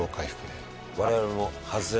我々も。